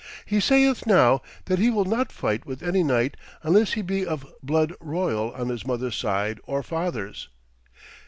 'He sayeth now that he will not fight with any knight unless he be of blood royal on his mother's side or father's.